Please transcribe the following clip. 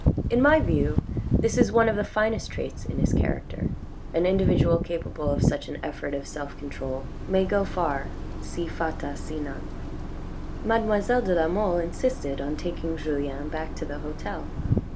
In my view this is one of the finest traits in his character, an individual capable of such an effort of self control may go far si fata sinant. Mademoiselle de la Mole insisted on taking Julien back to the hotel.